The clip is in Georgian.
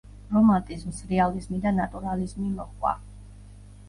რომანტიზმს რეალიზმი და ნატურალიზმი მოჰყვა.